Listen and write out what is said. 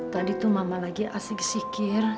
tadi tuh mama lagi asik zikir